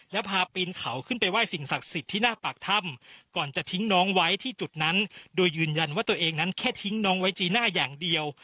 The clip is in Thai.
แล้วพาปีนเขาขึ้นไปไหว้สิ่งศักดิ์สิทธิ์ที่หน้าปากถ้ำก่อนจะทิ้งน้องไว้ที่จุดนั้นโดยยืนยันว่าตัวเองนั้นแค่ทิ้งน้องไว้จีน่าอย่างเดียว